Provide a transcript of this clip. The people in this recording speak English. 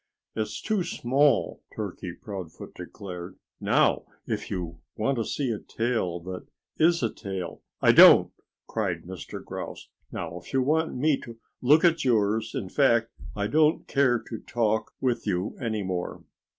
"It's too small," Turkey Proudfoot declared. "Now, if you want to see a tail that is a tail " "I don't!" cried Mr. Grouse. "Not if you want me to look at yours! In fact, I don't care to talk with you any more.